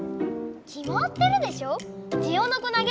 きまってるでしょジオノコなげ！